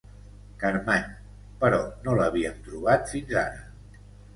Carmany— però no l'havíem trobat fins ara.